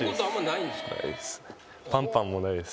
ないです。